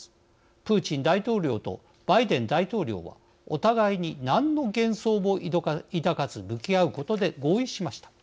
プーチン大統領とバイデン大統領はお互いに何の幻想も抱かず向き合うことで合意しました。